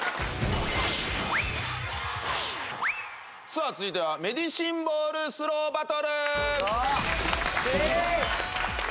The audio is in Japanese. さあ続いてはメディシンボールスローバトル！